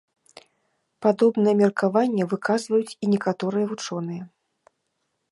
Падобнае меркаванне выказваюць і некаторыя вучоныя.